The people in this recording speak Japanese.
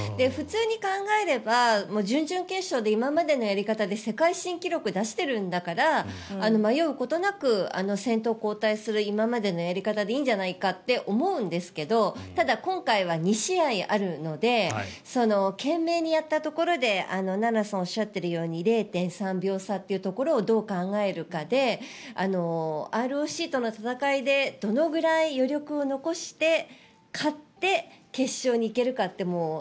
普通に考えれば準々決勝で今までのやり方で世界新記録を出してるんだから迷うことなく先頭交代する今までのやり方でいいんじゃないかって思うんですけどただ、今回は２試合あるので懸命にやったところで菜那さんがおっしゃったように０．３秒差というところをどう考えるかでＲＯＣとの戦いでどのくらい余力を残して勝って、決勝に行けるかって。